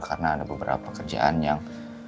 karena ada beberapa kerjaan yang